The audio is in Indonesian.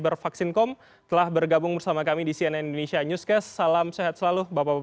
terima kasih pak waon perwanto deputi tujuh dan juga juri bicara bin